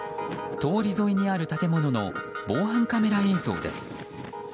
通り沿いにある建物の防犯カメラ映像です。